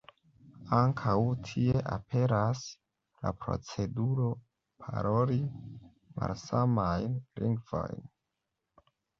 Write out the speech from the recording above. Ankaŭ tie aperas la proceduro paroli malsamajn lingvojn.